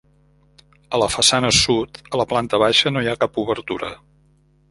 A la façana sud, a la planta baixa no hi ha cap obertura.